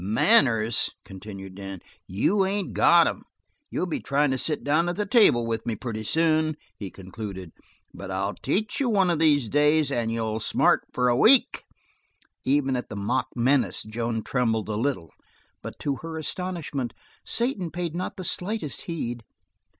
"Manners?" continued Dan. "You ain't got 'em. You'll be tryin' to sit down at the table with me, pretty soon." He concluded: "But I'll teach you one of these days, and you'll smart for a week." Even at the mock menace Joan trembled a little, but to her astonishment Satan paid not the slightest heed.